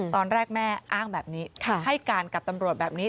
ตอนแรกแม่อ้างแบบนี้ให้การกับตำรวจแบบนี้